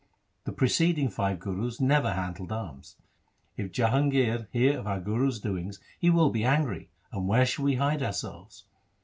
The preceding five Gurus never handled arms. If Jahangir hear of our Guru's doings he will be angry ; and where shall we hide ourselves